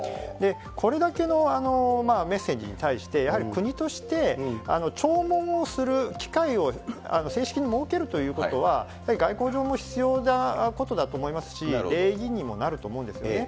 これだけのメッセージに対して、やはり国として弔問をする機会を正式に設けるということは、やはり外交上も必要なことだと思いますし、礼儀にもなると思うんですよね。